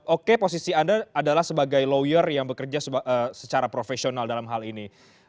oke posisi anda adalah sebagai lawyer yang bekerja secara profesional dalam hal ini